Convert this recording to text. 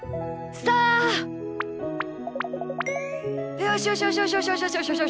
よしよしよしよしよし。